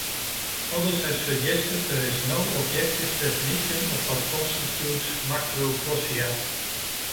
Others have suggested there is no objective definition of what constitutes macroglossia.